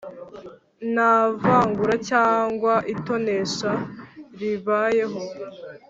nta vangura cyangwa itonesha ribayeho